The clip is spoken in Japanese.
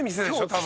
多分。